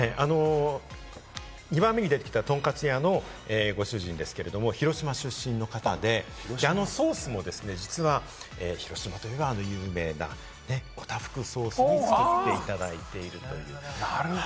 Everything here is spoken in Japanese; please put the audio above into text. ２番目に出てきた、とんかつ屋のご主人ですけれども、広島出身の方であのソースも実は広島といえば有名なオタフクソースを使って作っていただいているという。